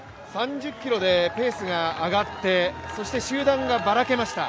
３０ｋｍでペースが上がってそして集団がばらけました。